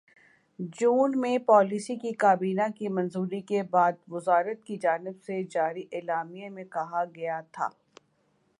جون میں پالیسی کی کابینہ کی منظوری کے بعد وزارت کی جانب سے جاری اعلامیے میں کہا گیا تھا